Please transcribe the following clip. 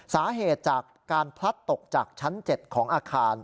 สาเหตุจากการพลัดตกจากชั้น๗ของอาคาร